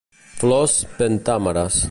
Flors pentàmeres.